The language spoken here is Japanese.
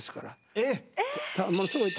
えっ⁉